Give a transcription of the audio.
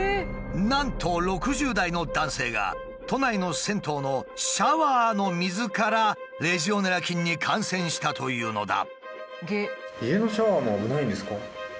なんと６０代の男性が都内の銭湯のシャワーの水からレジオネラ菌に感染したというのだ。